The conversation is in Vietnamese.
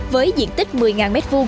với diện tích một mươi m hai